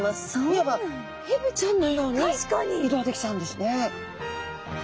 いわばヘビちゃんのように移動できちゃうんですね。